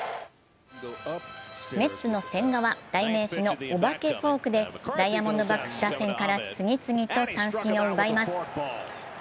メッツの千賀は代名詞のお化けフォークでダイヤモンドバックス打線から次々と三振を奪います。